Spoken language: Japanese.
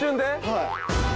はい。